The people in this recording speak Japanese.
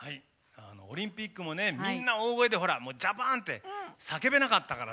オリンピックもねみんな大声で「ＪＡＰＡＮ！」って叫べなかったからね。